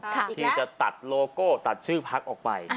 ที่จะตัดโลโก้ตัดชื่อพักออกไป